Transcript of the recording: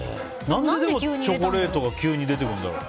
何でチョコレートが急に出てくるんだろう？